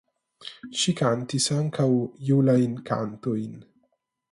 Ŝi kantis ankaŭ julajn kantojn.